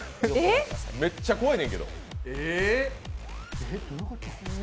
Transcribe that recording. めっちゃ怖いねんけど。